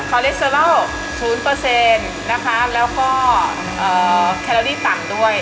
เลสเตอรอล๐นะคะแล้วก็แคลอรี่ต่ำด้วย